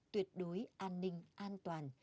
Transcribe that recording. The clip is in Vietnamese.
tuyệt đối an ninh an toàn